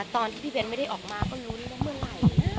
ตอนที่พี่เบ้นไม่ได้ออกมาก็รู้ได้ว่าเมื่อไหร่